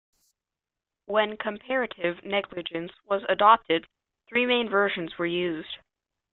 When comparative negligence was adopted, three main versions were used.